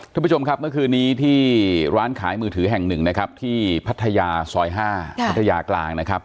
ท่านผู้ชมครับเมื่อคืนนี้ที่ร้านขายมือถือแห่งหนึ่งนะครับที่พัทยาซอย๕พัทยากลางนะครับ